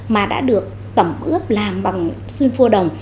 mà đã được tẩm ướp làm bằng xuân phua đồng